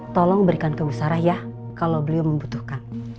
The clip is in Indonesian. tolong berikan ke bu sarah ya kalau beliau membutuhkan